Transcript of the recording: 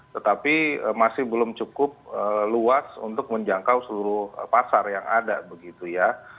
tetapi masih belum cukup luas untuk menjangkau seluruh pasar yang ada begitu ya